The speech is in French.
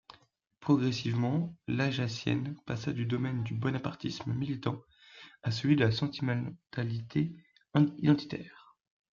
Progressivement l'Ajaccienne passa du domaine du bonapartisme militant à celui de la sentimentalité identitaire.